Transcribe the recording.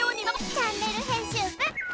「チャンネル編集部」。